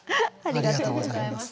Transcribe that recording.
ありがとうございますはい。